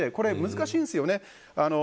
難しいんですよね。